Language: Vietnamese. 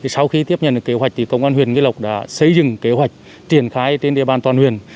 sau khi tiếp nhận kế hoạch công an nghị lộc đã xây dựng kế hoạch triển khai trên địa bàn toàn huyền